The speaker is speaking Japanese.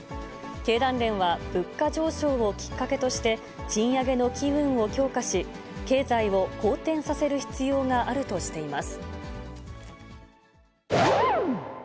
経団連は、物価上昇をきっかけとして、賃上げの機運を強化し、経済を好転させる必要があるとしています。